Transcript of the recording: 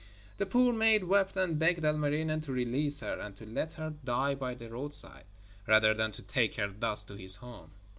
The poor maid wept and begged Ilmarinen to release her and to let her die by the roadside, rather than to take her thus to his home.